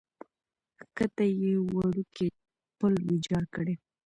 کښته یې یو وړوکی پل ویجاړ کړی.